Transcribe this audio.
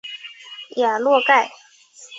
雅洛盖。